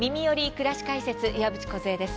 くらし解説」岩渕梢です。